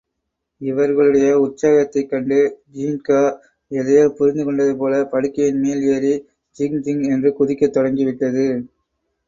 இவர்களுடைய உற்சாகத்தைக் கண்டு ஜின்கா, எதையோ புரிந்துகொண்டது போலப் படுக்கையின் மேல் ஏறி ஜிங்ஜிங் என்று குதிக்கத் தொடங்கிவிட்டது.